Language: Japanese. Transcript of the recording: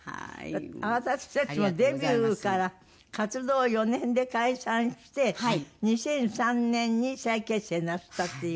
あなたたちもうデビューから活動４年で解散して２００３年に再結成なさったっていう。